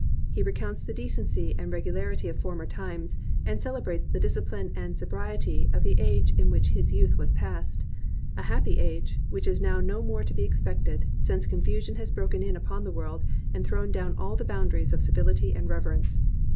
He recounts the decency and regularity of former times, and celebrates the disciphne and sobriety of the age in which his youth was passed; a happy age, which is now no more to be expected, since confusion has broken in upon the worid and thrown down all the boundaries of civility and reverence.